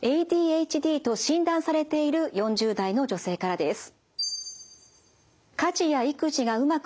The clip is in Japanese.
ＡＤＨＤと診断されている４０代の女性からです。